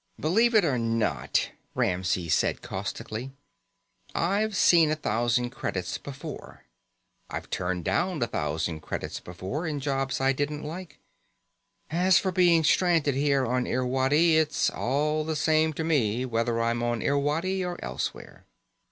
"Believe it or not," Ramsey said caustically, "I've seen a thousand credits before. I've turned down a thousand credits before, in jobs I didn't like. As for being stranded here on Irwadi, it's all the same to me whether I'm on Irwadi or elsewhere."